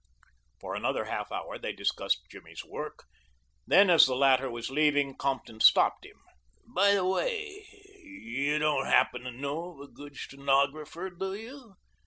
For another half hour they discussed Jimmy's work, and then as the latter was leaving Compton stopped him. "By the way, you don't happen to know of a good stenographer, do you?